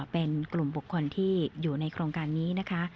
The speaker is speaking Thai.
เป็นกลุ่มบุคคลที่อยู่ในโครงการนี้นะคะ